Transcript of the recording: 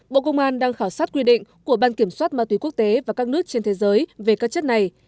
bộ công an đang khảo sát quy định của ban kiểm soát ma túy quốc tế và các nước trên thế giới về các chất này